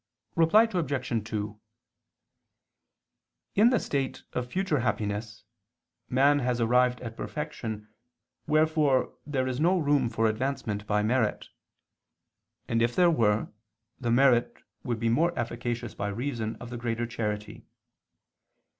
Reply Obj. 2: In the state of future happiness man has arrived at perfection, wherefore there is no room for advancement by merit; and if there were, the merit would be more efficacious by reason of the greater charity.